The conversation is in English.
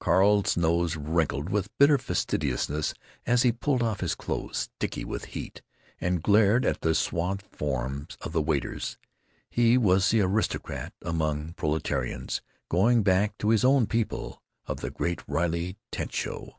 Carl's nose wrinkled with bitter fastidiousness as he pulled off his clothes, sticky with heat, and glared at the swathed forms of the waiters. He was the aristocrat among proletarians, going back to His Own People—of the Great Riley Tent Show.